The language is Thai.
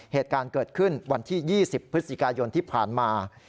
เหตุการณ์เกิดขึ้นวันที่๒๐พฤศจิกายนที่ผ่านมา